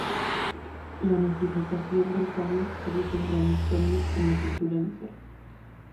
La masificación del cable produce grandes cambios en la cultura visual.